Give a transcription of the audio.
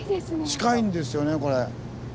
近いんですよねこれ。